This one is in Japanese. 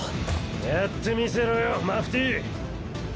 やってみせろよマフティー。